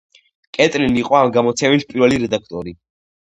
კეტლინი იყო ამ გამოცემის პირველი რედაქტორი.